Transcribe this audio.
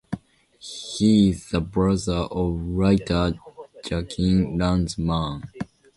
He is the brother of writer Jacques Lanzmann.